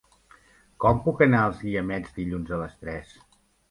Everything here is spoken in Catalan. Com puc anar als Guiamets dilluns a les tres?